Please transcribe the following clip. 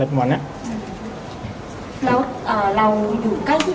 เราอยู่ใกล้ที่เกิดเหตุ